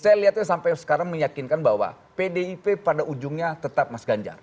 saya lihatnya sampai sekarang meyakinkan bahwa pdip pada ujungnya tetap mas ganjar